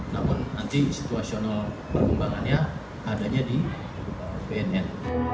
namun nanti situasional perkembangannya adanya di bnn